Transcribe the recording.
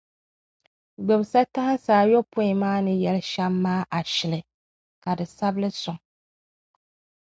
Gbibi satahinsi ayopɔin maa ni yɛli shɛm maa ashilɔni, ka di sabi li sɔŋ!